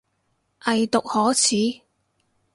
偽毒可恥